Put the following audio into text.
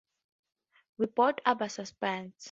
We both abhor suspense.